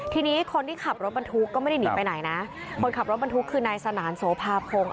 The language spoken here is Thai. ทีนี้คนที่ขับรถบรรทุกก็ไม่ได้หนีไปไหนนะคนขับรถบรรทุกคือนายสนานโสภาพง